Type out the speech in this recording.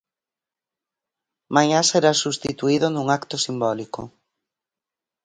Mañá será substituído nun acto simbólico.